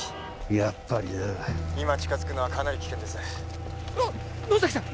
やっぱりな☎今近づくのはかなり危険ですあっ野崎さん！